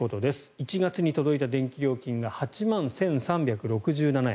１月に届いた電気料金が８万１３６７円。